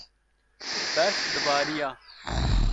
berf dibarîya